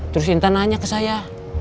terus inta nanya ke saya